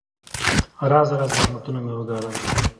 راز راز زحمتونه مې وګالل.